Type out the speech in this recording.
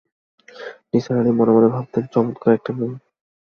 নিসার আলি মনে-মনে ভাবলেন, চমৎকার একটি মেয়ে!